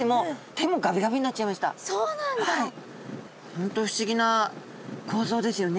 本当不思議な構造ですよね。